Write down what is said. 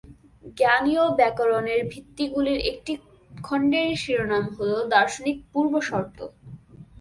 "জ্ঞানীয় ব্যাকরণের ভিত্তিগুলির" একটি খণ্ডের শিরোনাম হল "দার্শনিক পূর্বশর্ত"।